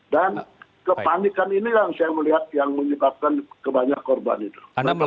dan kepanikan ini yang saya melihat yang menyebabkan kebanyakan korban itu